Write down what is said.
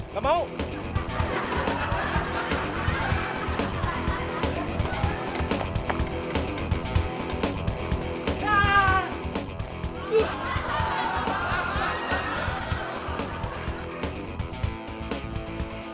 kamu mau jalan